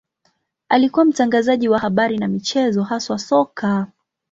Alikuwa mtangazaji wa habari na michezo, haswa soka.